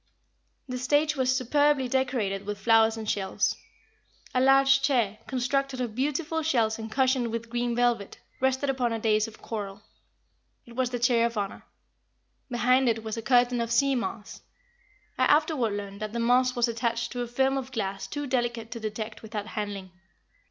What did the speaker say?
The stage was superbly decorated with flowers and shells. A large chair, constructed of beautiful shells and cushioned with green velvet, rested upon a dais of coral. It was the chair of honor. Behind it was a curtain of sea moss. I afterward learned that the moss was attached to a film of glass too delicate to detect without handling.